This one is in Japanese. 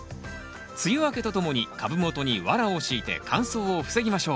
梅雨明けとともに株元にワラを敷いて乾燥を防ぎましょう。